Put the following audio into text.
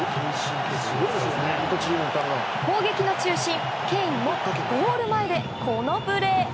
後半の中心、ケインもゴール前でこのプレー。